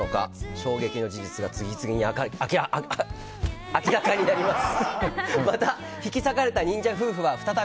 衝撃の事実が次々に明らかになります。